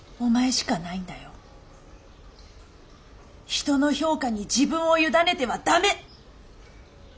人の評価に自分を委ねては駄目！